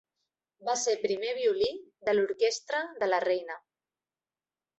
Va ser primer violí de l'Orquestra de la Reina.